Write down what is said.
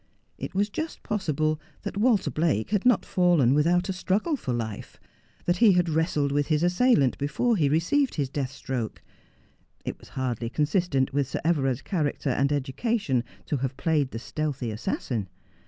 It was just possible that "Walter Blake had not fallen without a struggle for life ; that he had wrestled with his assailant before he received his death stroke, It was hardly consistent with Sir Everard's character 286 Just as I Am. and education to have played the stealthy assassin.